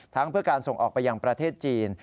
เพื่อการส่งออกไปยังประเทศจีน